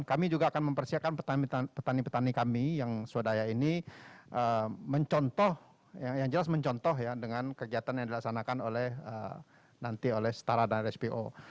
kami juga akan mempersiapkan petani petani kami yang swadaya ini mencontoh yang jelas mencontoh ya dengan kegiatan yang dilaksanakan oleh nanti oleh setara dan rspo